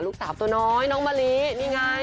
ลูกสาวตัวน้อยน้องมะลินี่ไง